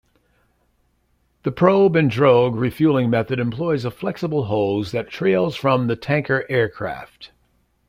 The probe-and-drogue refueling method employs a flexible hose that trails from the tanker aircraft.